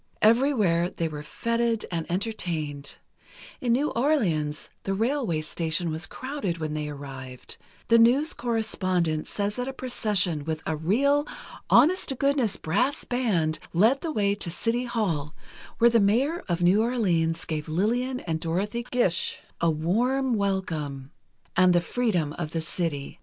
Everywhere they were fêted and entertained; in New Orleans the railway station was crowded when they arrived; the news correspondent says that a procession with a "real, honest to goodness brass band led the way to the City Hall, where the Mayor of New Orleans gave Lillian and Dorothy Gish a warm welcome and the freedom of the city."